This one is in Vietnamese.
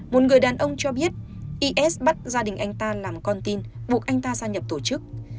một người đàn ông cho biết is bắt gia đình anh ta làm con tin buộc anh ta gia nhập tổ chức